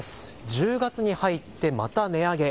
１０月に入ってまた値上げ。